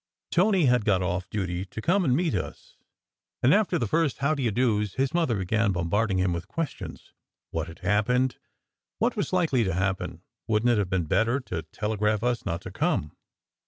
Tony had got off duty to come and meet us; and after the first "how do you dos," his mother began bombarding him with questions. What had happened? What was likely to happen? Wouldn t it have been better to tele graph us not to come?